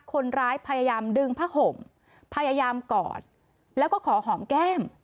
คนร้ายพยายามดึงผ้าห่มพยายามกอดแล้วก็ขอหอมแก้ม